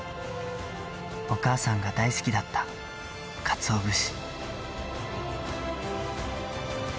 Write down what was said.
お母さんが大好きだったかつお節。